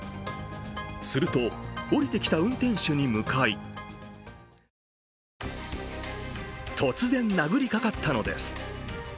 すると、降りてきた運転手に向かい突然殴りかかったのです。